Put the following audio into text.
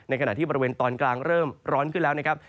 ขณะที่บริเวณตอนกลางเริ่มร้อนขึ้นแล้วนะครับ